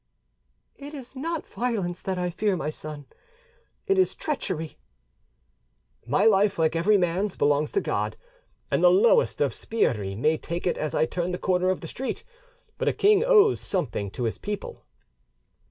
"It is not violence that I fear, my son, it is treachery." "My life, like every man's, belongs to God, and the lowest of sbirri may take it as I turn the corner of the street; but a king owes something to his people."